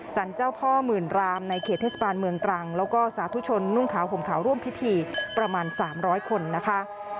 สรรเจ้าพ่อหมื่นรามในเขตเทศบาลเมืองตรังแล้วก็สาธุชนนุ่งขาวห่มขาวร่วมพิธีประมาณ๓๐๐คนนะคะ